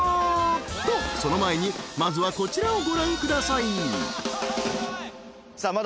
［とその前にまずはこちらをご覧ください］